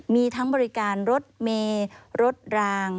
มีทั้งบริการรถเมย์รถราง